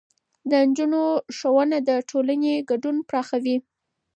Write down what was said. د نجونو ښوونه د ټولنې ګډون پراخوي.